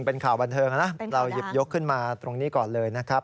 เป็นข่าวบันเทิงนะเราหยิบยกขึ้นมาตรงนี้ก่อนเลยนะครับ